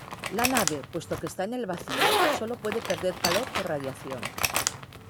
La nave, puesto que está en el vacío, solo puede perder calor por radiación.